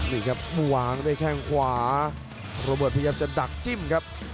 นี่ครับวางด้วยแข้งขวาโรเบิร์ตพยายามจะดักจิ้มครับ